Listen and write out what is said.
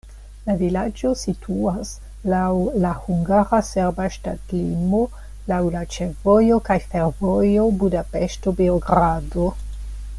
La vilaĝo situas laŭ la hungara-serba ŝtatlimo laŭ la ĉefvojo kaj fervojo Budapeŝto-Beogrado.